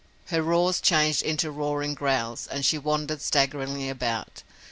Her roars changed into roaring growls, and she wandered staggeringly about.